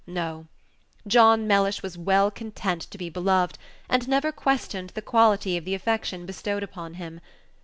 No; John Mellish was well content to be beloved, and never questioned the quality of the affection bestowed upon him.